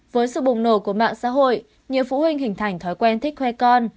với sự bùng nổ của mạng xã hội nhiều phụ huynh hình thành thói quen thích khoe con